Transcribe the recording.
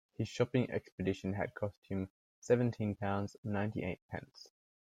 His shopping expedition had cost him seventeen pounds, ninety-eight pence